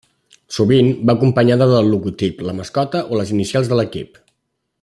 Sovint va acompanyada del logotip, la mascota, o les inicials de l'equip.